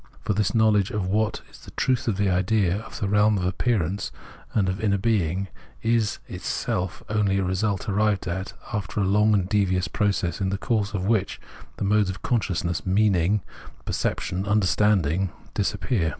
For this knowledge of what is the truth of the idea of the realm of appear ance and of its inner being, is itself only a result arrived at after a long and devious process, in the course of which the modes of consciousness, " meaning," " per ception," and " understanding " disappear.